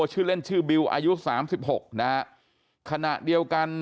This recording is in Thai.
ชื่อเล่นชื่อบิลอายุ๓๖นะครับขณะเดียวกัน